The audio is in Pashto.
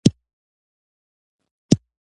د ابوجهل به سلطنت وي